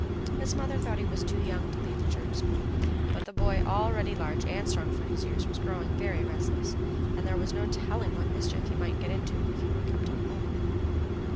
His mother thought he was too young to leave the Church school, but the boy, already large and strong for his years, was growing very restless, and there was no telling what mischief he might get into if he were kept at home.